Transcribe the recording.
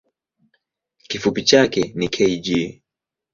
Kifupi chake ni kg.